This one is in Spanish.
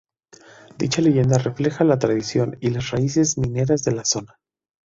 Dicha leyenda refleja la tradición y las raíces mineras de la zona.